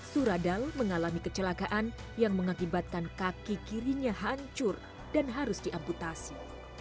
suradal mengalami kecelakaan yang mengakibatkan kaki kirinya hancur dan harus diamputasi